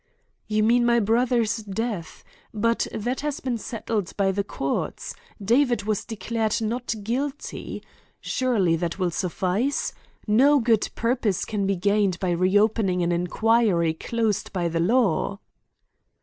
"You mean my brother's death. But that has been settled by the courts. David was declared 'Not guilty.' Surely that will suffice! No good purpose can be gained by reopening an inquiry closed by the law."